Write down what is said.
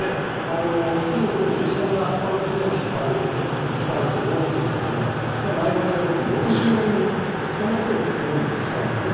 普通、巡視船がほかの船を引っ張る時に使うロープというのはナイロン製の６５ｍｍのこんな太いロープを使うんです。